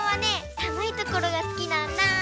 さむいところがすきなんだ。